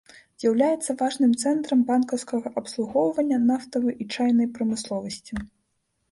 З'яўляецца важным цэнтрам банкаўскага абслугоўвання, нафтавай і чайнай прамысловасці.